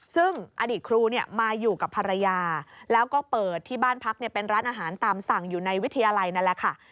ซึ่งอดีตครูมาอยู่กับภรรยาแล้วก็เปิดที่บ้านพักเป็นร้านอาหารตามสั่งอยู่ในวิทยาลัยนั่นแหละค่ะ